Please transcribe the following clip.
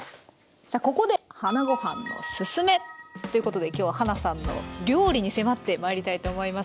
さあここでということで今日ははなさんの料理に迫ってまいりたいと思います。